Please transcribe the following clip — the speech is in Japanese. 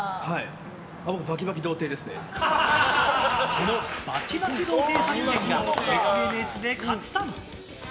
このバキバキ童貞発言がＳＮＳで拡散。